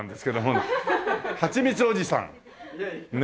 ねえはちみつおじさん。